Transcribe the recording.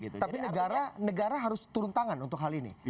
tapi negara harus turun tangan untuk hal ini